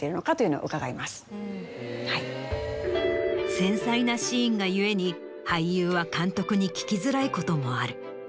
繊細なシーンが故に俳優は監督に聞きづらいこともある。